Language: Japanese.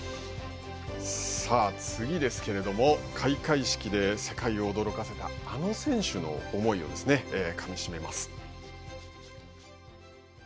さあ、次ですけれども開会式で世界を驚かせたあの選手の思いをかみしめます。